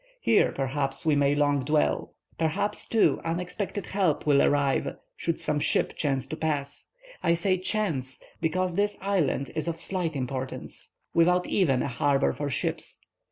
Here, perhaps, we may long dwell. Perhaps, too, unexpected help will arrive, should some ship chance to pass. I say chance, because this island is of slight importance, without even a harbor for ships.